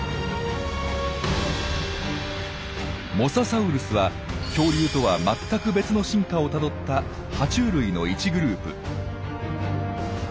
モササウルスは恐竜とは全く別の進化をたどったは虫類の１グループ。